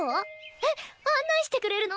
えっ案内してくれるの？